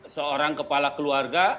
seorang kepala keluarga